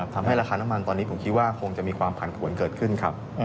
ทำให้ราคาน้ำมันตอนนี้ผมคิดว่าคงจะมีความผันผวนเกิดขึ้นครับ